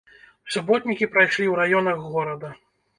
Суботнікі прайшлі ў раёнах горада.